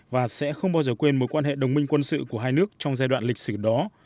và sẽ không bao giờ quên mối quan hệ đồng minh quân sự của hai nước trong giai đoạn lịch sử đó